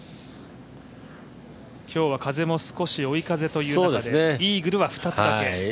今日は風も少し追い風という中でイーグルは２つだけ。